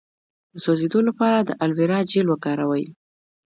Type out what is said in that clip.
د سوځیدو لپاره د الوویرا جیل وکاروئ